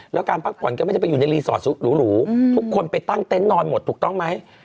แล้วการพักผ่อนก็ไม่ได้ไปอยู่ในรีสอร์ทหรูทุกคนไปตั้งเต็นต์นอนหมดถูกต้องไหม